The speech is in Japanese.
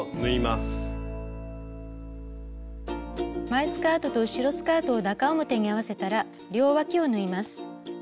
前スカートと後ろスカートを中表に合わせたら両わきを縫います。